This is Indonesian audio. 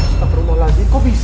kita berumah lagi kok bisa